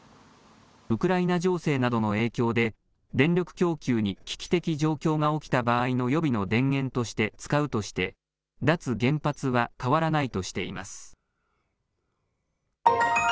ウクライナ情勢などの影響で電力供給に危機的状況が起きた場合の予備の電源として使うとして、脱原発は変わらないとしています。